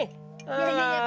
iya pak ya